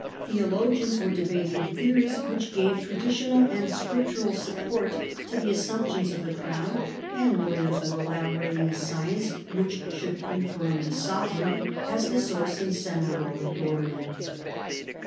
Theologians were debating theories which gave tradi tional and scriptural support to the assumptions of the crown, and lawyers were elaborating a science which should confirm the sovereign as the source and centre of all authority.